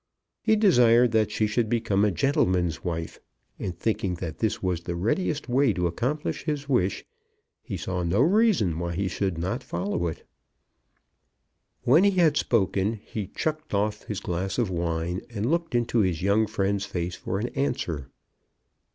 He desired that she should become a gentleman's wife; and thinking that this was the readiest way to accomplish his wish, he saw no reason why he should not follow it. When he had spoken, he chucked off his glass of wine, and looked into his young friend's face for an answer.